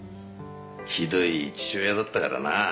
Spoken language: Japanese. ひどい父親だったからな。